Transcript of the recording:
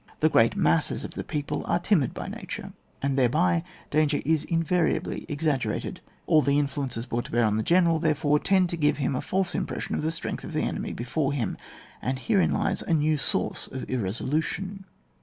The great masses of the people are timid by nature, and thereby dcmger is invariably exaggerated; All the influences brought to bear on the general, therefore, tend to g^ve him a fklse impression of the strength of the enemy before him ; and herein lies anew source of irresolution.